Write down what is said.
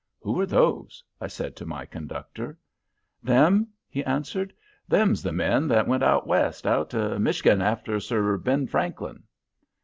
"Who are those?" I said to my conductor. "Them?" he answered. "Them's the men that's been out West, out to Michig'n, aft' Sir Ben Franklin."